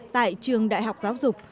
tại trường đại học giáo dục